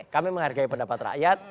kami menghargai pendapat rakyat